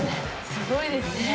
すごいですね。